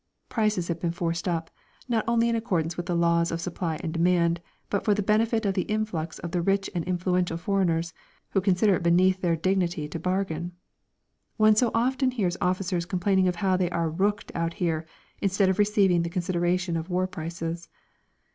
Prices have been forced up, not only in accordance with the laws of supply and demand, but for the benefit of the influx of the rich and influential foreigners, who consider it beneath their dignity to bargain. One so often hears officers complaining of how they are "rooked" out here instead of receiving the consideration of war prices.